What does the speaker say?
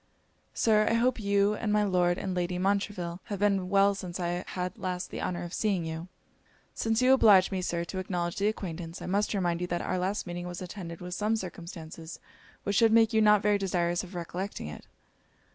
'Sir, I hope you, and my Lord and Lady Montreville, have been well since I had last the honour of seeing you?' 'Since you oblige me, Sir, to acknowledge the acquaintance, I must remind you that our last meeting was attended with some circumstances which should make you not very desirous of recollecting it.'